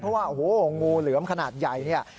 เพราะว่างูเหลือมขนาดใหญ่นี่